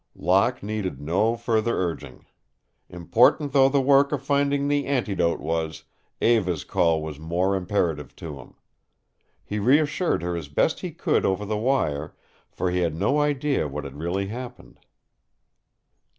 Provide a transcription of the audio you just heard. Locke needed no further urging. Important though the work of finding the antidote was, Eva's call was more imperative to him. He reassured her as best he could over the wire, for he had no idea what had really happened.